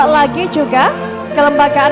lagi juga kelembagaan